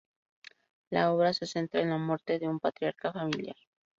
La obra se centra en la muerte de un patriarca familiar.